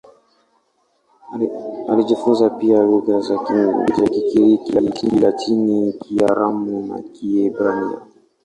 Alijifunza pia lugha za Kigiriki, Kilatini, Kiaramu na Kiebrania.